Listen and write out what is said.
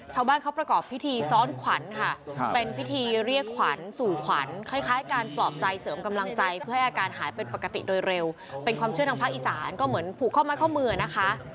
ชาวบ้านเขาประกอบพิธีซ้อนขวัญค่ะเป็นพิธีเรียกขวัญสู่ขวัญคล้ายการปลอบใจเสริมกำลังใจเพื่อให้อาการหายเป็นปกติโดยเร็วเป็นความเชื่อทางภาคอีสานก็เหมือนผูกข้อไม้ข้อมือนะคะ